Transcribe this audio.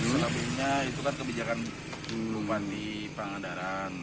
selebihnya itu kan kebijakan bupati pangandaran